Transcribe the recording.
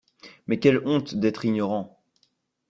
Mais quelle honte d’être ignorants!